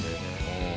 うん。